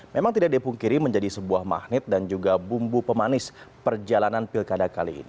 memang tidak dipungkiri menjadi sebuah magnet dan juga bumbu pemanis perjalanan pilkada kali ini